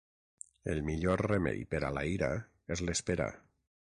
El millor remei per a la ira és l'espera.